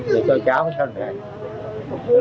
vì tôi cháu không sao nè